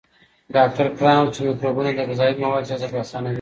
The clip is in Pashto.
ډاکټر کرایان وویل چې مایکروبونه د غذایي موادو جذب اسانوي.